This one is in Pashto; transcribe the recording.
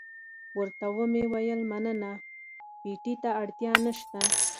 ورته ومې ویل مننه، پېټي ته اړتیا نشته.